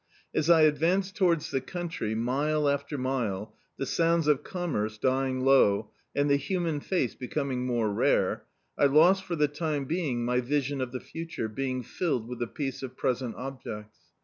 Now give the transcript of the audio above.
As I advanmi towards the coun try, mile after mile, the sounds of ctnnmerce dying low, and the human face becoming more rare, I lost for the time being my vision of the future, being filled with the peace of present objects.